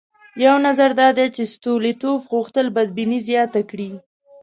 یو نظر دا دی چې ستولیتوف غوښتل بدبیني زیاته کړي.